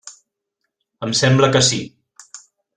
Em sembla que sí.